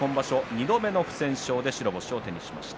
２度目の不戦勝で白星を手にしました。